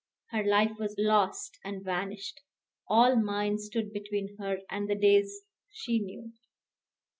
her life was lost and vanished: all mine stood between her and the days she knew.